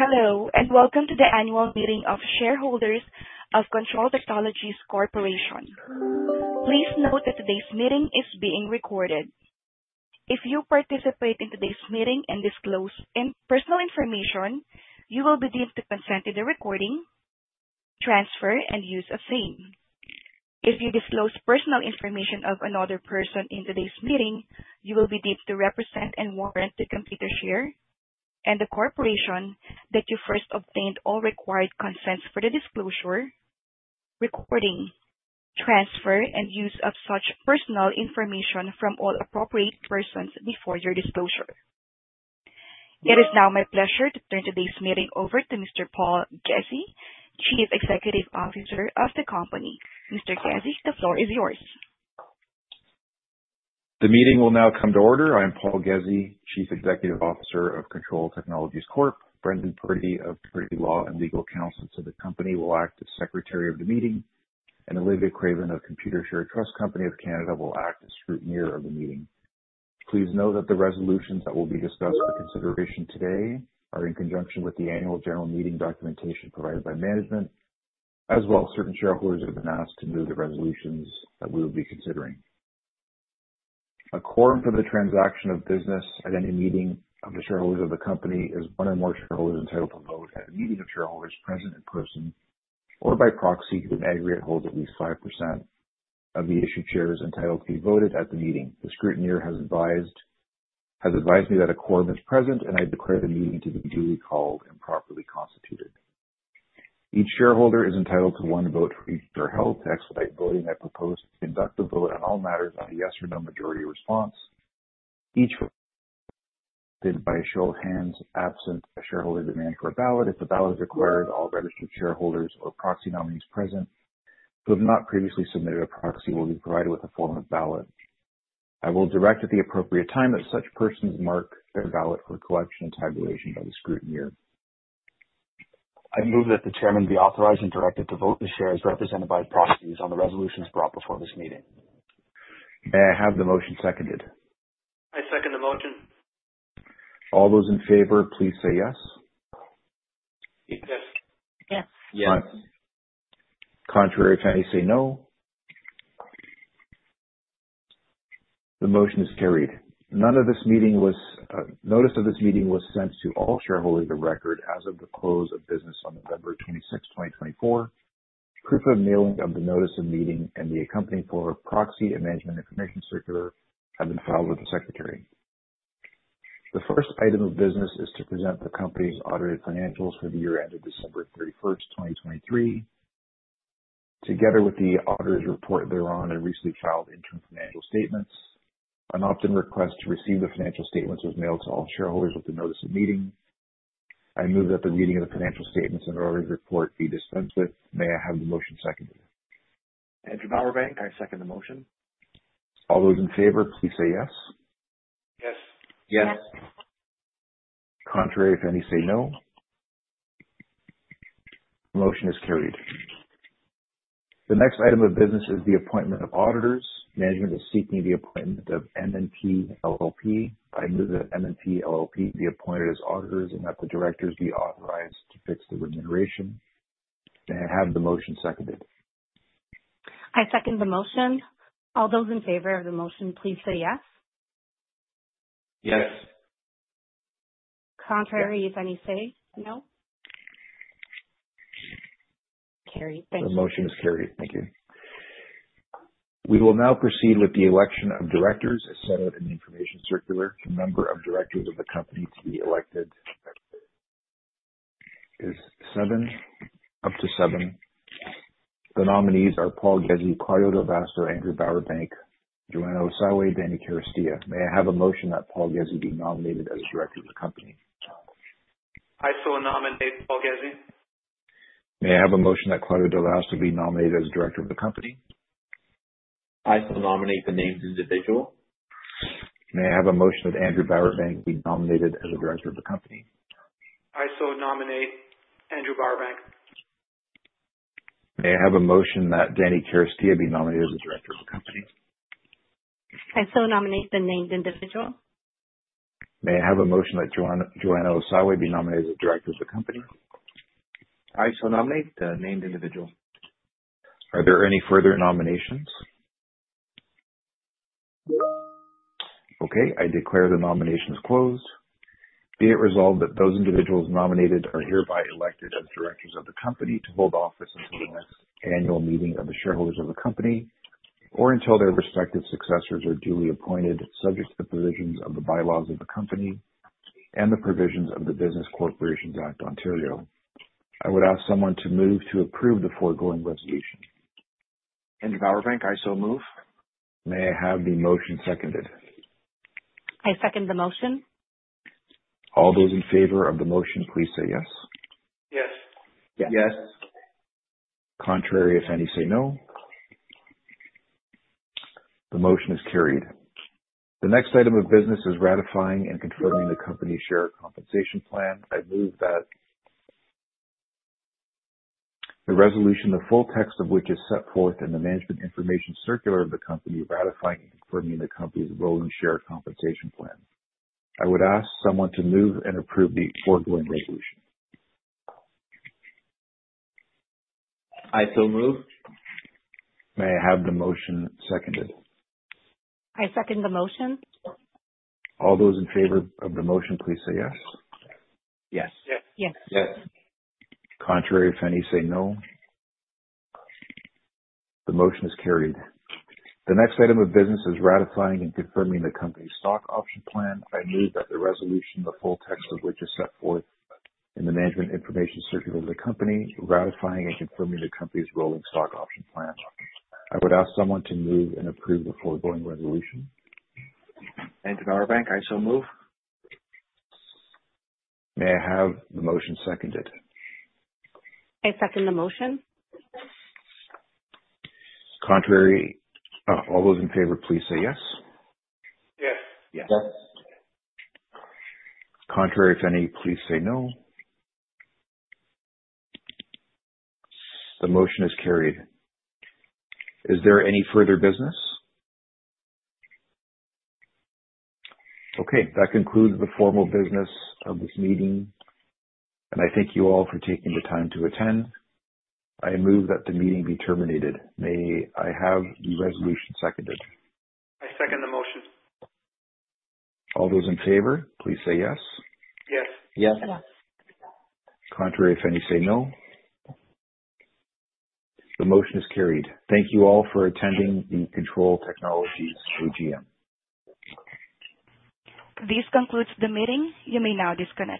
Hello, and welcome to the annual meeting of shareholders of Kontrol Technologies Corporation. Please note that today's meeting is being recorded. If you participate in today's meeting and disclose personal information, you will be deemed to consent to the recording, transfer, and use of same. If you disclose personal information of another person in today's meeting, you will be deemed to represent and warrant Computershare and the corporation that you first obtained all required consents for the disclosure, recording, transfer, and use of such personal information from all appropriate persons before your disclosure. It is now my pleasure to turn today's meeting over to Mr. Paul Ghezzi, Chief Executive Officer of the company. Mr. Ghezzi, the floor is yours. The meeting will now come to order. I am Paul Ghezzi, Chief Executive Officer of Kontrol Technologies Corp. Brendan Purdy of Purdy Law and Legal Counsel to the company will act as Secretary of the meeting, and Olivia Craven of Computershare Trust Company of Canada will act as Scrutineer of the meeting. Please note that the resolutions that will be discussed for consideration today are in conjunction with the annual general meeting documentation provided by management, as well as certain shareholders have been asked to move the resolutions that we will be considering. A quorum for the transaction of business at any meeting of the shareholders of the company is one or more shareholders entitled to vote at a meeting of shareholders present in person or by proxy whom aggregate holds at least 5% of the issued shares entitled to be voted at the meeting. The Scrutineer has advised me that a quorum is present, and I declare the meeting to be duly called and properly constituted. Each shareholder is entitled to one vote for each of their shares to expedite voting. I propose to conduct the vote on all matters on a yes or no majority response. Each vote is conducted by a show of hands. Absent a shareholder demand for a ballot, if the ballot is required, all registered shareholders or proxy nominees present who have not previously submitted a proxy will be provided with a form of ballot. I will direct at the appropriate time that such persons mark their ballot for collection and tabulation by the Scrutineer. I move that the Chairman be authorized and directed to vote the shares represented by proxies on the resolutions brought before this meeting. May I have the motion seconded? I second the motion. All those in favor, please say yes. Yes. Yes. Yes. Contrary to, I say no. The motion is carried. Notice of this meeting was sent to all shareholders of record as of the close of business on November 26, 2024. Proof of mailing of the notice of meeting and the accompanying proxy and management information circular have been filed with the secretary. The first item of business is to present the company's audited financials for the year ended December 31st, 2023, together with the auditor's report thereon and recently filed interim financial statements. An opt-in request to receive the financial statements was mailed to all shareholders with the notice of meeting. I move that the reading of the financial statements and auditor's report be dispensed with. May I have the motion seconded? Andrew Bowerbank, I second the motion. All those in favor, please say yes. Yes. Yes. Yes. Contrary to, I say no. The motion is carried. The next item of business is the appointment of auditors. Management is seeking the appointment of MNP LLP. I move that MNP LLP be appointed as auditors and that the directors be authorized to fix the remuneration. May I have the motion seconded? I second the motion. All those in favor of the motion, please say yes. Yes. Contrary to, I say no. Carried. Thank you. The motion is carried. Thank you. We will now proceed with the election of directors as set out in the information circular. The number of directors of the company to be elected is seven, up to seven. The nominees are Paul Ghezzi, Claudio Del Vasto, Andrew Bowerbank, Joanna Osawe, Danny Carrasquillo. May I have a motion that Paul Ghezzi be nominated as a director of the company? I so nominate Paul Ghezzi. May I have a motion that Claudio Del Vasto be nominated as a director of the company? I so nominate the named individual. May I have a motion that Andrew Bowerbank be nominated as a director of the company? I so nominate Andrew Bowerbank. May I have a motion that Danny Carrasquilla be nominated as a director of the company? I so nominate the named individual. May I have a motion that Joanna Osawe be nominated as a director of the company? I so nominate the named individual. Are there any further nominations? Okay. I declare the nominations closed. Be it resolved that those individuals nominated are hereby elected as directors of the company to hold office until the next annual meeting of the shareholders of the company or until their respective successors are duly appointed, subject to the provisions of the bylaws of the company and the provisions of the Business Corporations Act (Ontario). I would ask someone to move to approve the foregoing resolution. Andrew Bowerbank, I so move. May I have the motion seconded? I second the motion. All those in favor of the motion, please say yes. Yes. Yes. Yes. Contrary? I say no. The motion is carried. The next item of business is ratifying and confirming the company's share compensation plan. I move that the resolution, the full text of which is set forth in the management information circular of the company, ratifying and confirming the company's rolling share compensation plan. I would ask someone to move and approve the foregoing resolution. I so move. May I have the motion seconded? I second the motion. All those in favor of the motion, please say yes. Yes. Yes. Yes. Yes. Contrary to, I say no. The motion is carried. The next item of business is ratifying and confirming the company's stock option plan. I move that the resolution, the full text of which is set forth in the management information circular of the company, ratifying and confirming the company's rolling stock option plan. I would ask someone to move and approve the foregoing resolution. Andrew Bowerbank, I so move. May I have the motion seconded? I second the motion. Contrary to, all those in favor, please say yes. Yes. Yes. Yes. Contrary to, I say no. The motion is carried. Is there any further business? Okay. That concludes the formal business of this meeting, and I thank you all for taking the time to attend. I move that the meeting be terminated. May I have the resolution seconded? I second the motion. All those in favor, please say yes. Yes. Yes. Yes. Contrary to, I say no. The motion is carried. Thank you all for attending the Kontrol Technologies AGM. This concludes the meeting. You may now disconnect.